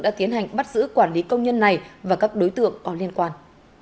đã tiến hành bắt giữ quản lý công nhân này và các đối tượng có liên quan